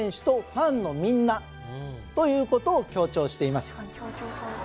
「ファンのみんな」ということを強調しています